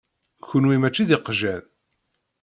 Kunwi mačči d iqjan.